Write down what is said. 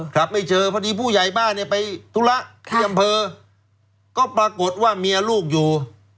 ครับไม่เจอพอดีผู้ใหญ่บ้านเนี่ยไปธุระที่อำเภอก็ปรากฏว่าเมียลูกอยู่